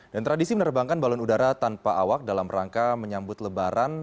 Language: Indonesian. dan tradisi menerbangkan balon udara tanpa awak dalam rangka menyambut lebaran